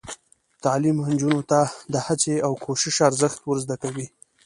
تعلیم نجونو ته د هڅې او کوشش ارزښت ور زده کوي.